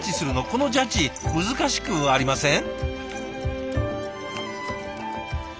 このジャッジ難しくありません？